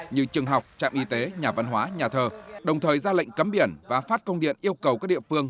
như trường học trạm y tế nhà văn hóa nhà thờ đồng thời ra lệnh cấm biển và phát công điện yêu cầu các địa phương